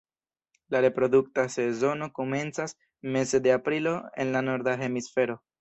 La reprodukta sezono komencas meze de aprilo en la norda hemisfero.